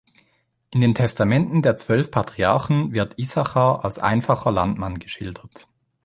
In den Testamenten der zwölf Patriarchen wird Issachar als einfacher Landmann geschildert.